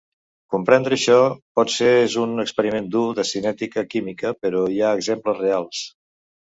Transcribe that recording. Comprendre això pot ser és un "experiment dur" de cinètica química, però hi ha exemples reals.